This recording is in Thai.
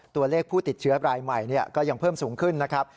ตัวเลขผู้ติดเชื้อรายใหม่ก็ยังเพิ่มสูงขึ้นนะครับ